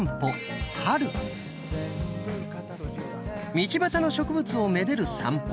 道端の植物をめでる散歩。